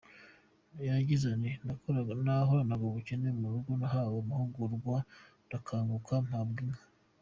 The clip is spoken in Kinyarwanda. Yagize ati “Nahoranaga ubukene mu rugo, nahawe amahugurwa ndakanguka, mpabwa n’inka.